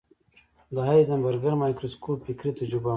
د هایزنبرګر مایکروسکوپ فکري تجربه وه.